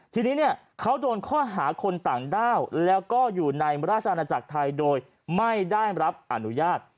ทีนี้เนี่ยเขาโดนข้อหาคนต่างด้าวแล้วก็อยู่ในราชอาณาจักรไทยโดยไม่ได้รับอนุญาต